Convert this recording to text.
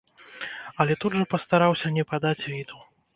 Але тут жа пастараўся не падаць віду.